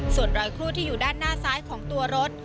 ส่วนรอยครูดที่อยู่ด้านหน้าซ้ายของตัวรถ